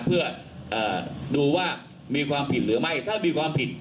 เพื่อดูว่ามีความผิดหรือไม่ถ้ามีความผิด